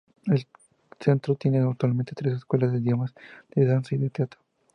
El centro tiene actualmente tres escuelas: de idiomas, de danza y de teatro.